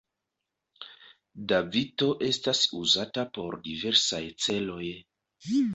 Davito estas uzata por diversaj celoj.